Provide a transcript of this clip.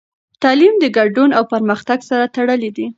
تعلیم د ګډون او پرمختګ سره تړلی دی.